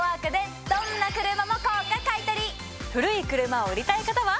古い車を売りたい方は。